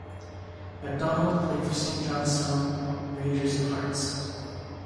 MacDonald played for Saint Johnstone, Rangers and Hearts.